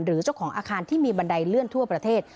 เจ้าของอาคารที่มีบันไดเลื่อนทั่วประเทศ